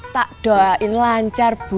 tak doain lancar bu